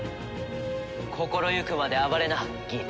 心ゆくまで暴れなギーツ。